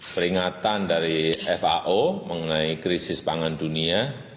peringatan dari fao mengenai krisis pangan dunia